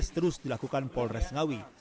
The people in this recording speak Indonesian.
terus dilakukan polres ngawi